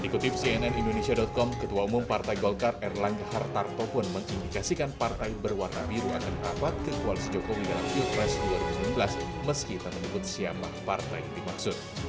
dikutip cnn indonesia com ketua umum partai golkar erlangga hartarto pun mengindikasikan partai berwarna biru akan rapat ke koalisi jokowi dalam pilpres dua ribu sembilan belas meski tak menyebut siapa partai yang dimaksud